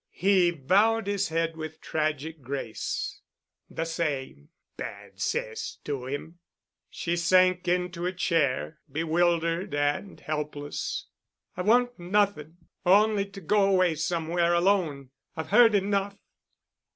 He bowed his head with tragic grace. "The same—bad cess to him." She sank into a chair, bewildered and helpless. "I want nothing—only to go away somewhere alone. I've heard enough."